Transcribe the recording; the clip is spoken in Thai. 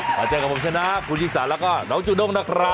มาเจอกับผมเสน้าคุณยี่สันแล้วก็น้องจุดงนะครับ